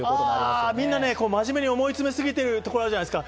みんな真面目に思い詰め過ぎてるところがあるじゃないですか。